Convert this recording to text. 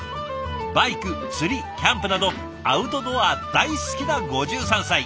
バイク釣りキャンプなどアウトドア大好きな５３歳。